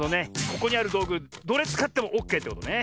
ここにあるどうぐどれつかってもオッケーってことね。